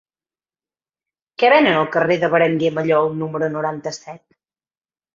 Què venen al carrer de Berenguer Mallol número noranta-set?